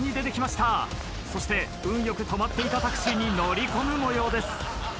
そして運よく止まっていたタクシーに乗り込むもようです。